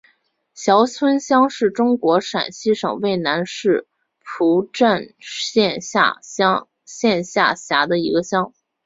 翔村乡是中国陕西省渭南市蒲城县下辖的一个乡。